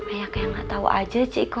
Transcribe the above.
ayah kayak nggak tahu aja cik